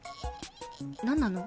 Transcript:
何なの？